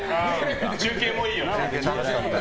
中継もいいよね。